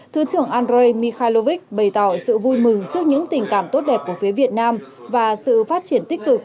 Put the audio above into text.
thứ trưởng andrei mikhailovich bày tỏ sự vui mừng trước những tình cảm tốt đẹp của phía việt nam và sự phát triển tích cực